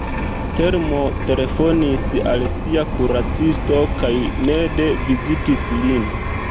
Telmo telefonis al sia kuracisto kaj Ned vizitis lin.